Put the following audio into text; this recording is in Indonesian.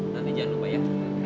nanti jangan lupa ya